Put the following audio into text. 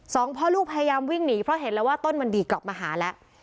สองพ่อลูกพยายามวิ่งหนีเพราะเห็นแล้วว่าต้นมันดีกลับมาหาแล้ว